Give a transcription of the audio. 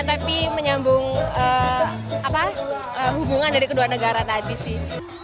tapi menyambung hubungan dari kedua negara tadi sih